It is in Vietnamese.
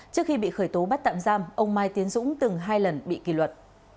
trước khi bị khởi tố bắt tạm giam ông mai tiến dũng từng hai lần bị kỳ luật